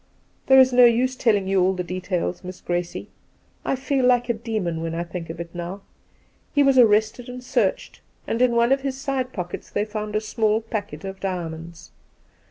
There is no use telling you all the details. Miss Gracie. I feel like a demon when I think of it now. He was arrested and searched, and in one of his side coat pockets they found a small packet of diamonds.